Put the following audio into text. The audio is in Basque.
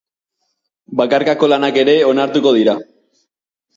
Bakarkako lanak ere onartuko dira.